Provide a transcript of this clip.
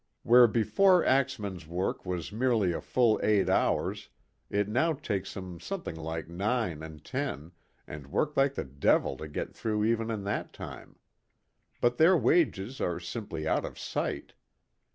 Where before axemen's work was merely a full eight hours, it now takes 'em something like nine and ten, and work like the devil to get through even in that time. But their wages are simply out of sight.